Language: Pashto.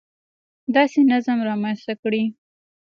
داسې نظم رامنځته کړي